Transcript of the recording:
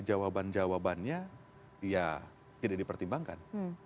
jawaban jawabannya tidak dipertimbangkan